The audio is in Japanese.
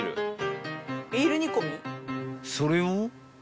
［それを］